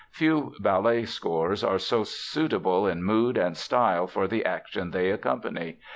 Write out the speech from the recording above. Few ballet scores are so suitable in mood and style for the action they accompany.